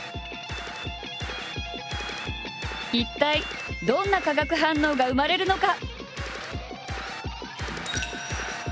一体どんな化学反応が生まれるのか？